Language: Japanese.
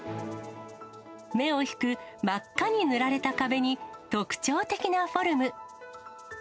目を引く真っ赤に塗られた壁に、特徴的なフォルム。